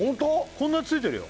こんなついてるよ